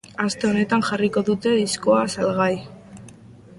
Aste honetan jarriko dute diskoa salgai.